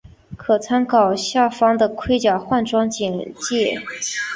可参考下方的盔甲换装简介。